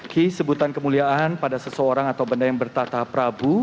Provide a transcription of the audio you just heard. ki sebutan kemuliaan pada seseorang atau benda yang bertata prabu